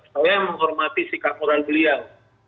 saya menghormati sikap orang beliau